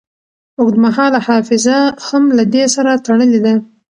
اوږدمهاله حافظه هم له دې سره تړلې ده.